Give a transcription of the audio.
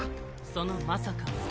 そのまさか。